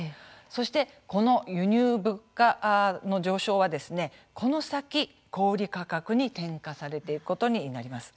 そしてこの輸入物価の上昇はこの先、小売価格に転嫁されていくことになります。